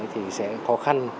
thì sẽ khó khăn